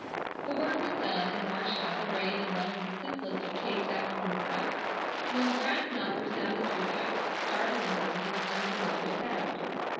The work was done, and Marcia arrayed in one of the simplest of Kate's afternoon frocks, when the brass knocker sounded through the house, startling her with its unfamiliar sound.